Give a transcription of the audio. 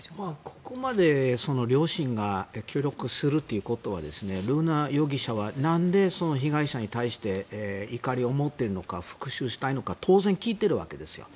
ここまで両親が協力するということは瑠奈容疑者はなんで被害者に対して怒りを持っているのか復しゅうしたいのか当然、聞いているわけですよ。